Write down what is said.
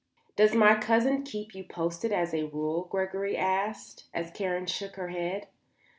"Does my cousin keep you posted as a rule?" Gregory asked, as Karen shook her head.